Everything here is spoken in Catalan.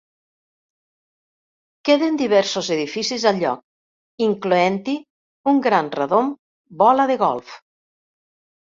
Queden diversos edificis al lloc, incloent-hi un gran radom "bola de golf".